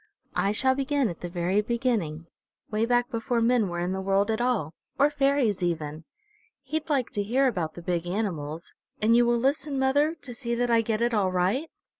I shall begin at the very beginning, way back before men were in the world at all, or fairies even. He'd like to hear about the big animals. And you will listen, mother, to see that I get it all right?"